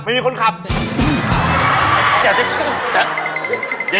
มีความรู้สึกว่า